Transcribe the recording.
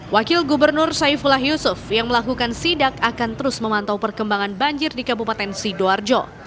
wakil gubernur saifullah yusuf yang melakukan sidak akan terus memantau perkembangan banjir di kabupaten sidoarjo